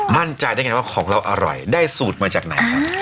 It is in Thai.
มั่นใจได้ไงว่าของเราอร่อยได้สูตรมาจากไหนครับ